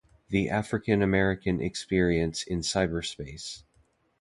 The African American Experience in Cyberspace.